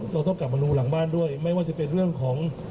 เราต้องกลับมาดูหลังบ้านด้วยไม่ว่าจะเป็นเรื่องของ